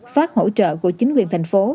phát hỗ trợ của chính quyền thành phố